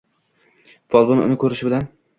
Folbin uni ko`rishi bilan